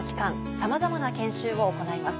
さまざまな研修を行います。